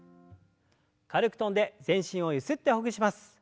軽く跳んで全身をゆすってほぐします。